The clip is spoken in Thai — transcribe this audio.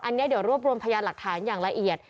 อันนี้เดี๋ยวรวบรวมพยานหลักฐานอย่างละเอียด